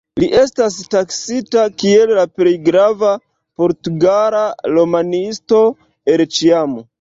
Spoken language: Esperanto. Li estas taksita kiel la plej grava portugala romanisto el ĉiam.